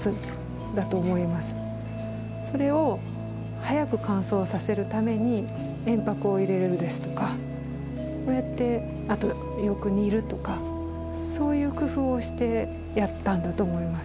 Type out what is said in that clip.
それを早く乾燥させるために鉛白を入れるのですとかこうやってあとよく煮るとかそういう工夫をしてやったんだと思います。